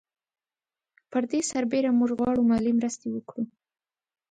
پر دې برسېره موږ غواړو مالي مرستې وکړو.